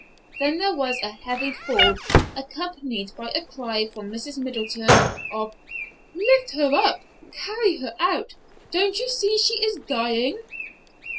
Then there was a heavy fall, accompanied by a cry from Mrs. Middleton of, "Lift her up—carry her out. Don't you see she is dying?"